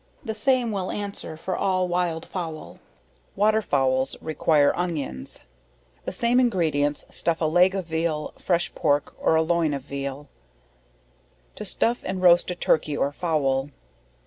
The same will answer for all Wild Fowl. Water Fowls require onions. The same ingredients stuff a leg of Veal, fresh Pork or a loin of Veal. _To stuff and roast a Turkey, or Fowl.